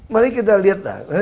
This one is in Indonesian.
mari kita lihatlah